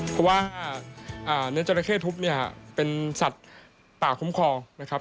เพราะว่าเนื้อจราเข้ทุบเนี่ยเป็นสัตว์ป่าคุ้มครองนะครับ